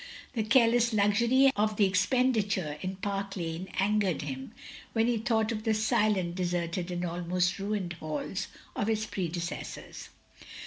The careless luxury of the expenditure in Park Lane angered him when he thought of the silent, deserted, and almost ruined halls of his predecessors.